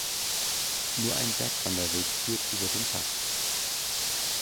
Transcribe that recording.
Nur ein Bergwanderweg führt über den Pass.